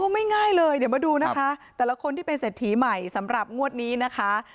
ไม่ง่ายเลยเดี๋ยวมาดูนะคะแต่ละคนที่เป็นเศรษฐีใหม่สำหรับงวดนี้นะคะ